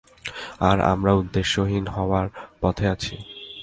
আর আমরা উদ্দেশ্যহীন হওয়ার পথে আছি।